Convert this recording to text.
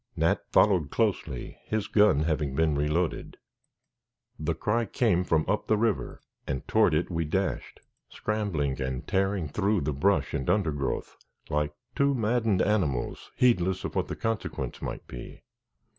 Nat followed closely, his gun having been reloaded. The cry came from up the river and toward it we dashed, scrambling and tearing through the brush and undergrowth, like two maddened animals, heedless of what the consequence might be.